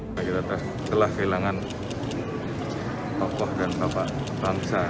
kita telah kehilangan tokoh dan bapak ramsa